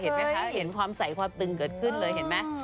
เห็นไหมคะเห็นความใสความตึงเกิดขึ้นเลยเห็นไหม